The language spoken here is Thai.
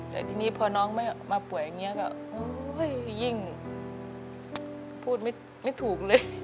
แต่ทีนี้พอน้องไม่มาป่วยอย่างนี้ก็ยิ่งพูดไม่ถูกเลย